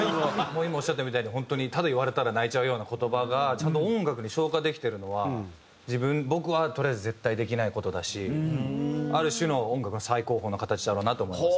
今おっしゃったみたいに本当にただ言われたら泣いちゃうような言葉がちゃんと音楽に昇華できてるのは自分僕はとりあえず絶対できない事だしある種の音楽の最高峰の形だろうなと思いますね。